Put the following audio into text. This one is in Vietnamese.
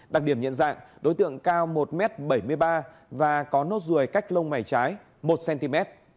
đặc điểm nhận dạng đối tượng cao một m bảy mươi ba và có nốt ruồi cách lông mảy trái một cm